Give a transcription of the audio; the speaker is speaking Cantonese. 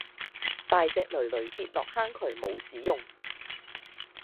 大隻騾騾跌落坑渠冇屎用